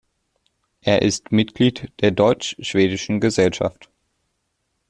Er ist Mitglied der Deutsch-Schwedischen Gesellschaft.